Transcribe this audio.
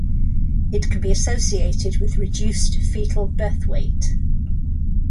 It can be associated with reduced fetal birth weight.